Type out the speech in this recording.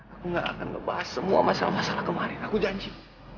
aku gak akan ngebahas semua masalah masalah kemarin aku janji